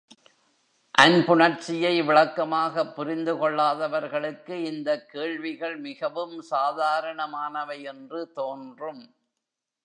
அன்புணர்ச்சியை விளக்கமாகப் புரிந்து கொள்ளாதவர்களுக்கு இந்தக் கேள்விகள் மிகவும் சாதாரணமானவை என்று தோன்றும்.